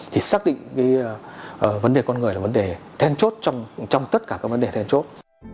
thì xác định cái vấn đề con người là vấn đề then chốt trong tất cả các vấn đề then chốt